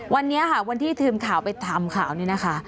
วันนี้ค่ะวันที่ทีมข่าวไปทำข่าวนี่นะคะ